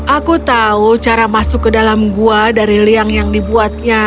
aku tahu cara masuk ke dalam gua dari liang yang dibuatnya